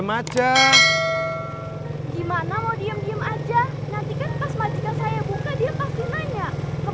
kagak lagi bikin kue kering babbe mau mesen kue